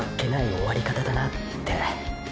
終わり方だなって。